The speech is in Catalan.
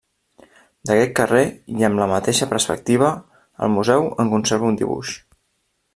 D'aquest carrer i amb la mateixa perspectiva, el museu en conserva un dibuix.